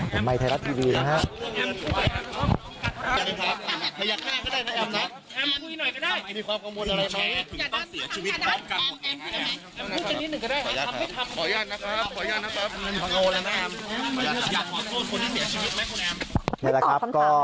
ผมใบไทยละทีวีนะครับ